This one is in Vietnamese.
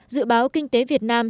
dự báo kinh tế việt nam